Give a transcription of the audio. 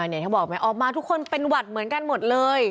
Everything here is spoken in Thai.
เนี่ยถ้าบอกแม่ออกมาทุกคนเป็นหวัดเหมือนกันหมดเลย